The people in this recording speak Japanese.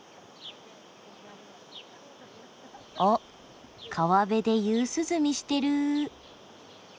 あっ川辺で夕涼みしてる。